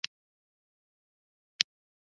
مصنوعي ځیرکتیا د محتوا تولید اسانه کوي.